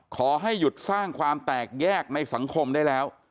ขอให้หยุดสร้างความแตกแยกในสังคมได้แล้ว